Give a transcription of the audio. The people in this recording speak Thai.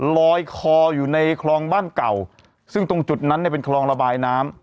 ลอยคออยู่ในคลองบ้านเก่าซึ่งตรงจุดนั้นเนี่ยเป็นคลองระบายน้ำ